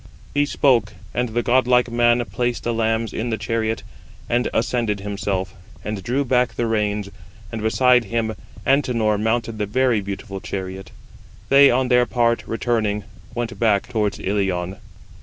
He spoke, and the godlike man placed the lambs in the chariot, and ascended himself, and drew back the reins; and beside him Antenor mounted the very beautiful chariot. They on their part returning went back towards Ilion.